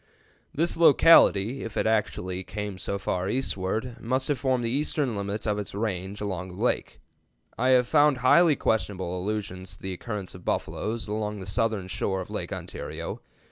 "This locality, if it actually came so far eastward, must have formed the eastern limit of its range along the lakes. I have found only highly questionable allusions to the occurrence of buffaloes along the southern shore of Lake Ontario.